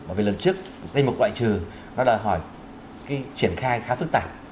bởi vì lần trước xây một loại trừ nó đòi hỏi cái triển khai khá phức tạp